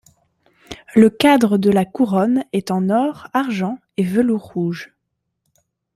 Le cadre de la couronne est en or, argent et velours rouge.